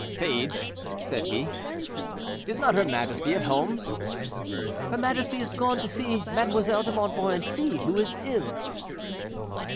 "Page," said he, "is not her majesty at home?" "Her majesty is gone to see Mademoiselle de Montmorency, who is ill."